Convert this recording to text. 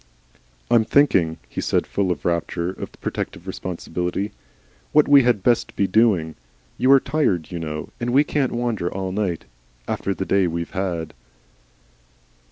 "I'm thinking," he said, full of a rapture of protective responsibility, "what we had best be doing. You are tired, you know. And we can't wander all night after the day we've had."